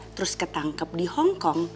terus ketangkep di hongkong